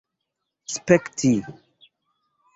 spekti